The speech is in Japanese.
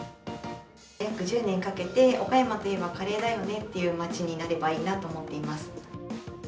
約１０年かけて、岡山といえばカレーだよねという街になればいいなと思っています。